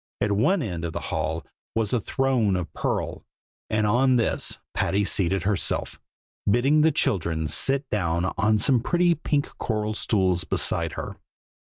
At one end of the hall was a throne of pearl, and on this Patty seated herself, bidding the children sit down on some pretty pink coral stools beside her.